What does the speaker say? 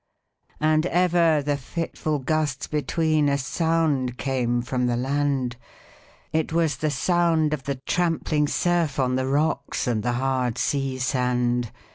And ever the fitful gusts between A sound came from the land; It was the sound of the trampling surf, On the rocks and the hard sea sand.